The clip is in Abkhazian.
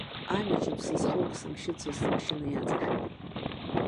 Амҩаҿы ԥсы зхоу акы сымшьыцызт смашьына иаҵашәаны.